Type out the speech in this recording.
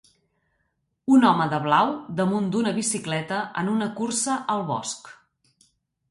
Un home de blau damunt d'una bicicleta en una cursa al bosc.